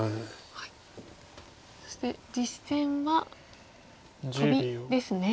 そして実戦はトビですね。